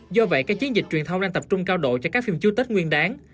do vậy các chiến dịch truyền thông đang tập trung cao độ cho các phim trước tết nguyên đáng